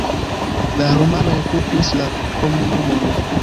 La rumanoj okupis la komunumon.